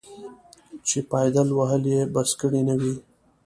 چې پایدل وهل یې بس کړي نه وي.